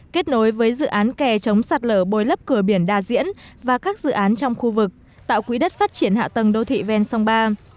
kết nối với dự án kè chống sạt lở bồi lấp cửa biển đa diễn và các dự án trong khu vực tạo quỹ đất phát triển hạ tầng đô thị ven sông ba